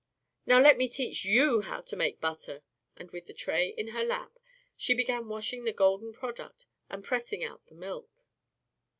"Now let me teach YOU how to make butter," and with the tray in her lap, she began washing the golden product and pressing out the milk.